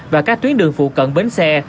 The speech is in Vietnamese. và các tuyến đường phụ cận bến xe